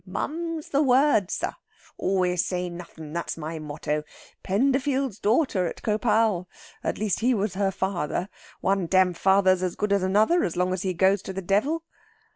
"Mum's the word, sir. Always say nothin', that's my motto. Penderfield's daughter at Khopal at least, he was her father. One dam father's as good as another, as long as he goes to the devil."